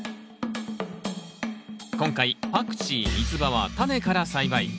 今回パクチーミツバはタネから栽培。